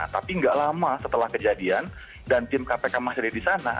tapi nggak lama setelah kejadian dan tim kpk masih ada di sana